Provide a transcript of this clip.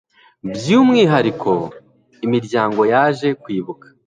by'umwihariko imiryango yaje kwibuka